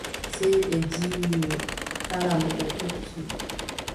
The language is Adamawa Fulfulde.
Sey ɓe ndiiwi mo. Kala mo o tokki.